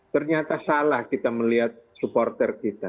ternyata salah kita melihat supporter kita